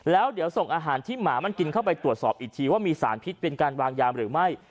แล้วเดี๋ยวส่งอาหารที่หมามันกินเข้าไปตรวจสอบอีกทีว่ามีสารพิษเป็นการวางยามหรือไม่